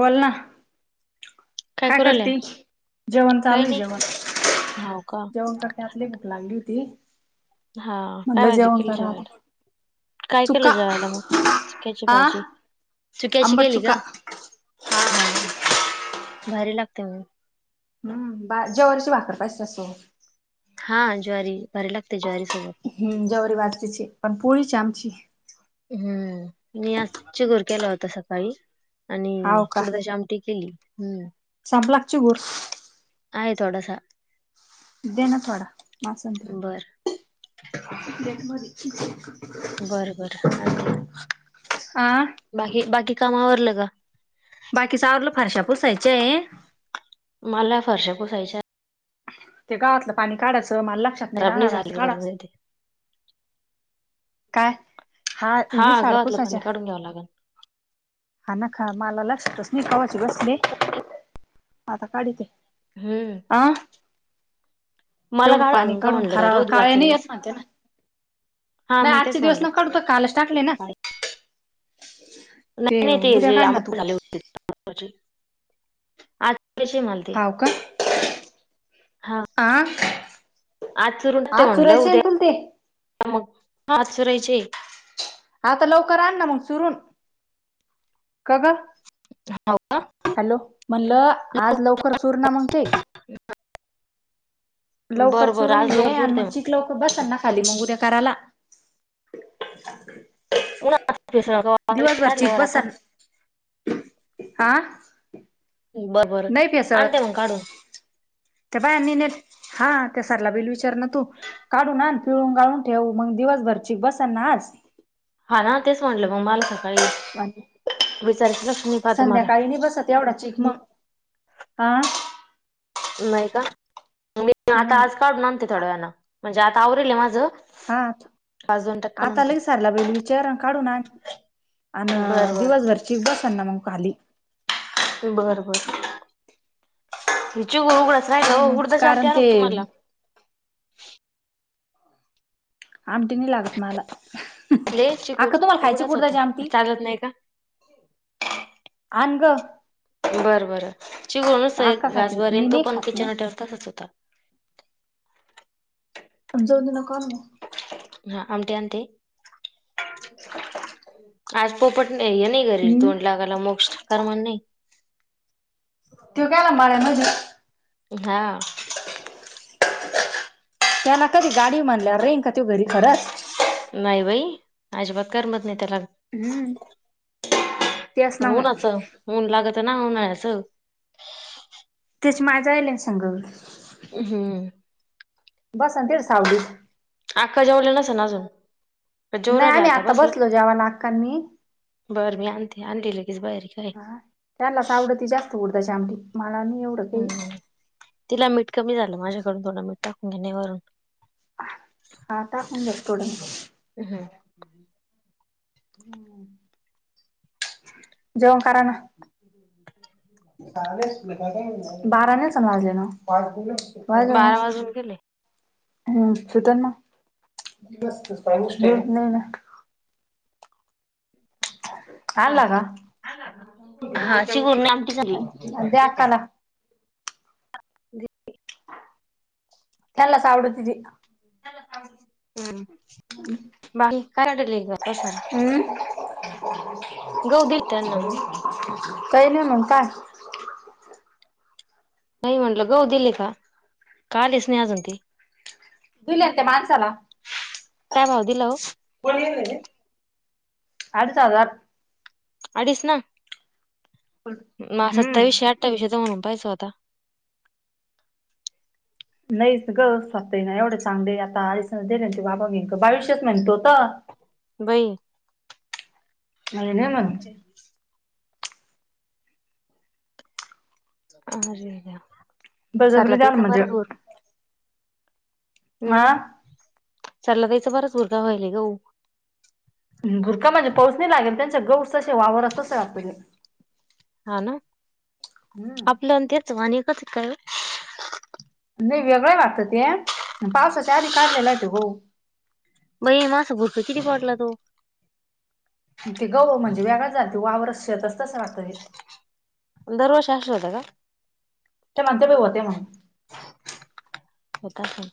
बोल ना. काय करती? जेवण काही चालूय नाही जेवण. हो का जेवण कर [unintelligible] भूक लागली होती. हा काय म्हणलं भाजी जेवण केली करा आता. जेवायला? काय केलं चुका जेवायला म? चुक्याची आ भाजी. चुक्याची आंबट गेली चुका का? हा. भारी लागते मग. हम्म, बा ज्वारीची भाकर पाहिजे त्याच्यासोबत. हा ज्वारी. भारी लागते ज्वारी सोबत. हम्म ज्वारी बाजरीची. पण पोळीचे आमची. हम्म, मी आज चिगोर केला होता सकाळी. आणि हाव का उडदाची आमटी केली. हम्म. संपला का चिगुर? आहे थोडासा. दे ना थडासा. बर [unintelligible] बरं बर आणते. आ बाकी बाकी काम आवरलं का? बाकी आवरलं. फारशा पुसायच्या ये. मला फरश्या पुसायच्याय. ते गवातलं पाणी काढायचं. मला लक्षात नाही खराब राहणार. आज झाले करून काढाव देते काय? हा ते दिसाआड गव्हातलं पाणी पुसायच्या. काढून घ्यावं लागल. हा नकाखा, मला लक्षातच नाही. कवाची बसले. आता काढीते. हम्म. अ, मला तेवढं काढावं पाणी लागल का काढून म्हणलं खरा. रोज काळे आजचा नाही येत दिवस म्हणत्यान. हा नाही मग आजचे तेच दिवस म्हणलं नको काढू. त्यो कालच टाकले ना? नाही नाही ते उद्या जे काढ ना तू [unintelligible] हो का? हा आ. आज आज चुरायचे ना तुला ते? हा मग? आज चुरायचेय. आता लवकर आण ना मग चुरून. काग. हाव. हॅलो. म्हणलं आज लवकर चूरणा मग ते. [inaudible] लवकर बरं बरं चुरून आज घे. लवकर आण चुरते मग चिक लवकर बसल ना खाली. मग उद्या करायला. [inaudible] [unintelligible] आ. बरं बरं. आणते मग काढून. त्या बायांनी नेल. हा त्या सरला बाईला विचार ना तू. काढू आण. पिळून गाळून ठेवू. मग दिवसभर चीक बसन ना आज. हा ना? तेच म्हटलं मग, मला सकाळी विचारायच लक्ष नाही पहा तुम्हाला संध्याकाळी नाही बसत एवढा चिक मग. आ. नाही का? मी आता हम्म आज काढून आणते थोड्या वेळान. म्हणजे आता आवरले माझं. हा. पाच दोन टक्का आता आणते लगेच सरला बईला विचारन काढून आण. अन बरं बरं दिवसभरची चीक बसना मग खाली. बर बर हिची गुरु कुठय राहिल हो मग उडदाची कारण आमटी ते आणु का तुम्हाला? आमटी नाही लागत मला. लईच चिकूल अक्का तुम्हाला खायची उघडाच होता कुडदाची आमटी चालत नाही का? आण ग. बर बर चिगुळ आहे अक्का खाती घासबरे मी अन तो नाही पण खात किचन ना ओट्यावर तसाच होता. मग जाऊ दे ना काम. हा आमटी आणते. आज पोपट हे नाही घरी हम्म तोंड लागायला मोक्ष करमत नाही. तो गेला [unintelligible] मजे. हां त्यांला कधी गाडीये म्हनल्यावर राहील का तो घरी खरच. नाही बाई अजिबात करमत नाही त्याला. हम्म तेच ना पण मग उन्हाच ऊन लागत ना उन्हाळ्याच. त्याची माय जायली ना संग. हम्म बसतील सावलीत. आक्का जेवल्या नसन अजून? का जेवू नाही राहिले आम्ही आता बसलो जेवाला आक्का अन् मी बर मी आणते आणते लगेच बाहेर ये. ह त्यानलाच आवडती जास्त उडदाची आमटी मला नाही एवढी. हम्म तिला मीठ कमी झाल माझ्याकडून थोड टाकून [unintelligible] आता टाकून घेते धोड. हम्म [inaudible] जेवण करा ना. [inaudible] बारा नसण वाजलेल. बारा वाजून गेले. हम्म सु [unintelligible] नेट नाही ना हां आणला का का हा [unintelligible] आमट झाली. द्या अक्काला त्यांनलाच आवडती ती हम्म बाकी करा [unintelligible] बसा हम्म गहू देत्याल न मग. काही नाही मग काय? नाही म्हटल गहु दिले का? का आलेच नाही आजुन ते. दिल्यात त्या माणसाला. काय भाव दिला हो आडीच हजार. अडीच ना मग हम्म सत्तावीसशे अठ्ठावीशेचा म्हणून पाहायचा होता. नाहीच ग स्वतः ना एवढ चांगले आता [unintelligible] ते बाबा मी बावीशेच म्हणत होता. बाई [unintelligible] [inaudible] आरे बळजबरी द्याल देवा म्हणजे हा हम्म. चाला त्यायचा बराच बुरका व्हायलय गहू. भुरखा म्हणजे पाऊस नाही लागेल. त्यांचे गहूच तसे वावरच तसए वाटत ते. हा ना? हम्म आपल न त्याच वाण एकच का काय ओ? नाही वेगळं हाय वाटत ते. पावसाच्या आधी काढलेला आहेे त्यो गहू. बई म आसं भुरकं किती पडला तो. ते गहू म्हणजे वेगळाच झाला. ते वावर ते शेतच तसंय वाटत ते. दर वर्षी आशेच होत्या का? ते म्हणते बाई होते म्हणून [inaudible] होत आसंल.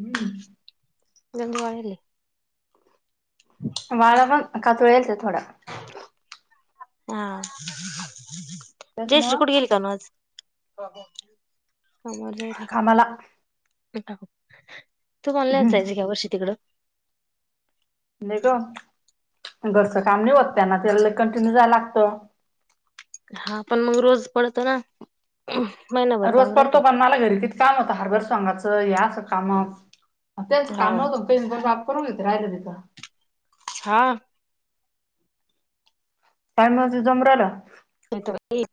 हं. गंज वाळेल ए. माळा पण [unintelligible] ए थोडा. हां. जयश्री त्याच्यामुळं कुठं गेली कनू आज? समोर जायेल ए. कामाला तुम्हाला नव्हतं जायच का या वर्षी तिकड? नाही ग. घरचं काम नाही होत त्यांन. त्याला लई कंटिन्यू जाया लागतं. हां. पण मग रोज पडतो ना? अं. महिना - रोज पडतो. पण मला घरी किती काम होतं. हारबर सोंगाच हे असं काम - हं त्यांचं काम हो नव्हतं का? त्यांनी पण [unintelligible] करून घेत राहिलं तिथं. हा. टाईम [unintelligible] जमू रायला. ते त बाई.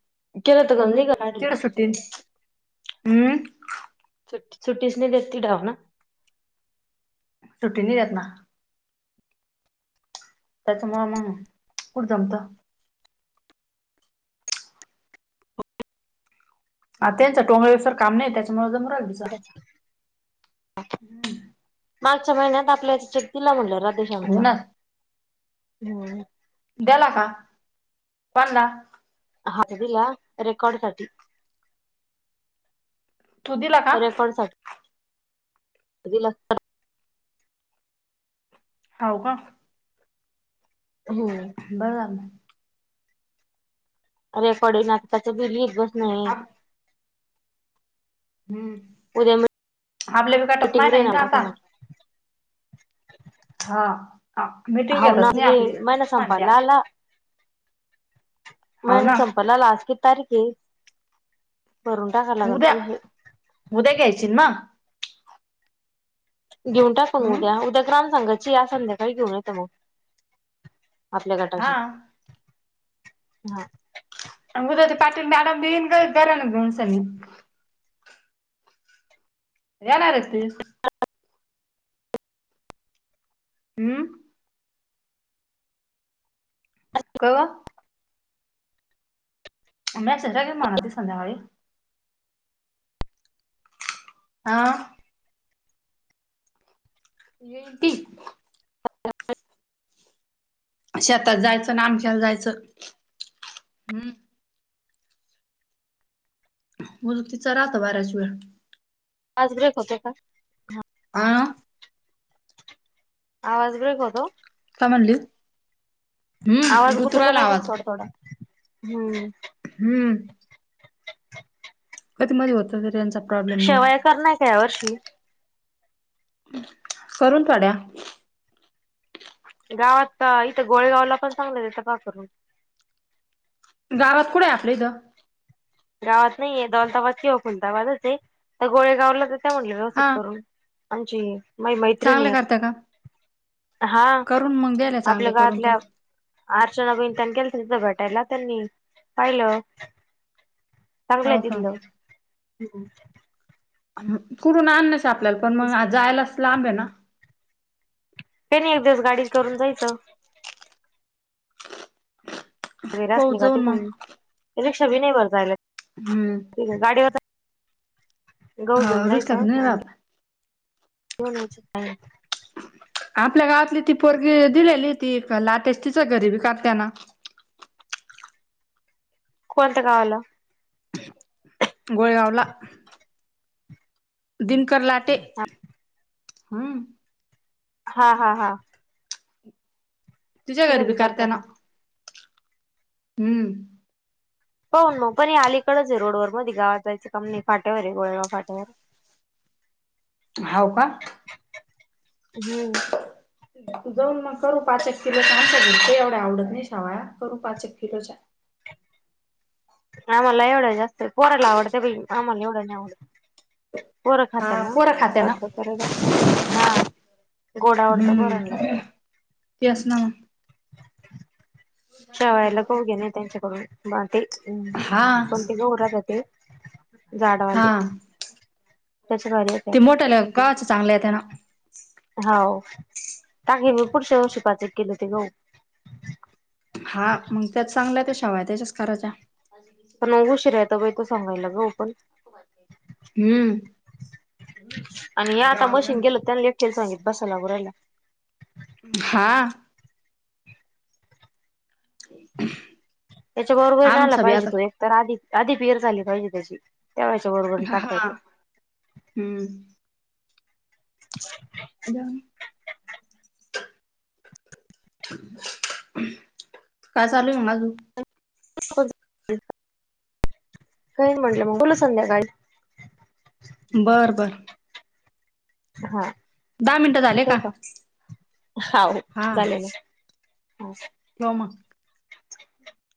केल तर [unintelligible] तिकडं सुट्टी. अम? सुट्टीच नाई देेत तिड हाव ना? सुट्टी नाही देत ना. त्याच्यामुळं मंग कुठ जमत? हा. त्यांच [unintelligible] काम नाही त्याच्यामुळे जमू राह्यल. [inaudible] हम्म. मागच्या महिन्यात [unintelligible] चेक दिला म्हटलं राधेश्याम हो चा. ना द्याला का? कोणला? हा दिला. रेकॉर्ड साठी. तू दिला का रेकॉर्ड साठी. दिला [unintelligible] हाव का? हो. बरं झालं म. रेकॉर्डिंग आत्ताच बिल [unintelligible] आप हम्म. उद्या मि - आपले बी काय - [unintelligible] हा मीटिंग हाव ना घेतच नाही गे. आपली महिना नुसती म्हणत्या संपायला आला. हाव महिना ना संपायला आला. आज किती तारीखे? भरून टाकायला लागल उद्या पहिले. उद्या घ्यायची न म. घेऊन टाकू म हम्म उद्या. उद्या ग्राम संघाची ए. आज संध्याकाळी घेऊन नाही त म. आपल्या हा गटाशी हा. उद्या ते पाटील मॅडम देईन का घराला घेउन [unintelligible] जाणार असतील. हम्म. का हून. अन्या संध्याकाळी म्हणालती संध्याकाळी. हा. येती. शेतात जायचं, ना आमच्यात जायचं हम्म. मूल तिचं राहतं बऱ्याच वेळ. आज ब्रेक होते का. अं अं. आवाज ब्रेक होतो? काय म्हणली हम्म आवाज गुतू गुततो राहिला काय करण आवाज थोडा-थोडा हम्म. हम्म. [unintelligible] [unintelligible] मुळ शेवया करणार नाही काय या वर्षी. करून ठेवल्यात. गावात त, इथं गोळगावला पण चांगलं देतात पहा करून. गावात कुठेय आपल्या इथं? गावात नाहीये दौलताबाज किंवा फुलताबाजच आहे, तर गोळे गावला देते म्हटलं व्यवस्थित हा करून. आमचे हे. मह्या मैत्रिणी चांगले आहेत, करता का हा करून मग द्यायला आपल्या चांगले करून गावातल्या तर अर्चना वहिनी त्यांनी केलं तिथं, भेटायला त्यांनी पाहिलं. चांगलंय हो का तिथलं. कुठून आणण्याच आपल्याला पण, मग जायलाच लांब आहे ना. काही नाही एक दिवस गाडी करून जायचं. वगैरे पाहू असले का ते जाऊन कोण, मग रिक्षा बी नाही बर जायला. हम्म. ठीक आहे. गाडीवर गहु घेऊन हो रिक्षात जायचा. नाही राहत काय [unintelligible] आपल्या गावातली ती पोरगी दिलेली ती लाटेची ति घरीबी करत्यांना कोणत्या गावाला? गोळेगावला. दिनकर लाटे हम. हा, हा, हा. तुझ्या घरी तिथं बी करता काढत्यात ना. का हम्म. होय, पण अलीकडच आहे, रोडवर मधी गावात जायाच, काम नाही, आहे गोळेगाव फाट्यावर. [unintelligible] हाव का. हम्म. जाऊन मग करू पाच एक किलो, छान ते एवढ्या आवडत नाही शेवया करू पाच एक किलोच्या. आम्हाला नाहीं एवढं जास्त, पोराला आवडतं बाई, आम्हाला एवढं नाही आवडत. पोरं खात्या हा ना पोरं खात्या ना पास्ता करायला हा गोड आवडत हम्म पोरांला तेच ना म शेवयाला करू घेणा त्याच्याकडून बाटे हम्म, हा कोणते [unintelligible] जाडवाले हा त्याच्या दारीं येत्या. पाहाच चांगलं येत्या ना. हाव. टाकीन मी पुढच्या वर्षी पाच एक किलो ते गहू. हा मंग त्यात चांगल्या त्या शेवायां त्याच्याच कराच्या. त मंग उशिरा येतो बायको सांगायला गहूं पण हम्म. आणि हे आता मशीन गेलत त्यांले के सांगित बसला आवराला हा त्याच्याबरोबर नायं आला आमचा बी पाहिजे आता तो एकतर आधी आधी पिअर झाली पाहिजे त्याची. त्या वेळच्या बरोबर ह काढता हा, येतो हम्म [inaudible] जा काय चालू ये, म अजून [inaudible] चालेल म्हटलं म, बोलू संध्याकाळी बरं बरं हा दहा मिनटं झाले ठेवू का? हाव झाले ना ठेवा म [inaudible]